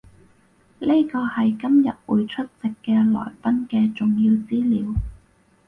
呢個係今日會出席嘅來賓嘅重要資料